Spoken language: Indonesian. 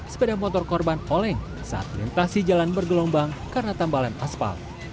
sepeda motor korban oleng saat melintasi jalan bergelombang karena tambalan aspal